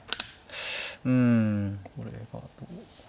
うんこれがどう。